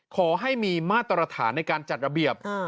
ขอให้มีมาตรฐานในการจัดระเบียบ